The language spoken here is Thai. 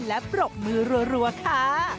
และปรบมือรัวค่ะ